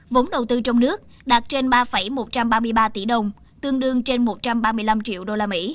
vốn đầu tư trong nước đạt trên ba một trăm ba mươi ba tỷ đồng tương đương trên một trăm ba mươi năm triệu usd